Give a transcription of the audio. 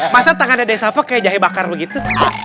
masa tangannya dik syafa kayak jahe bakar begitu